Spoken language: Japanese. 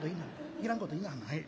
いらんこと言いなはんな」。